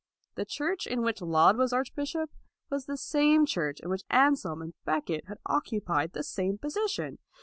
The church in which Laud was archbishop was the same church in which Anselm and Becket had occupied the same position.